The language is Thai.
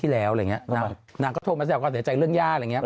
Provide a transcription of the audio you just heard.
เห็นตั้งแต่เด็กเลย